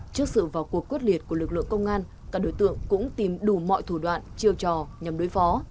trước sự vào cuộc quyết liệt của lực lượng công an các đối tượng cũng tìm đủ mọi thủ đoạn chiêu trò nhằm đối phó